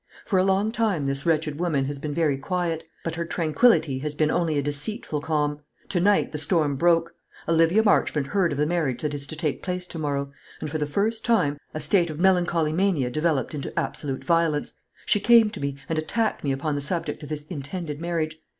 For a long time this wretched woman has been very quiet; but her tranquillity has been only a deceitful calm. To night the storm broke. Olivia Marchmont heard of the marriage that is to take place to morrow; and, for the first time, a state of melancholy mania developed into absolute violence. She came to me, and attacked me upon the subject of this intended marriage.